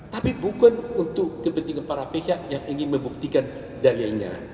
tapi bukan untuk kepentingan para pihak yang ingin membuktikan dalilnya